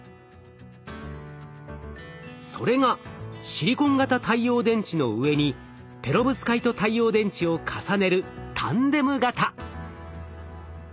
それがシリコン型太陽電池の上にペロブスカイト太陽電池を重ねるタンデム型。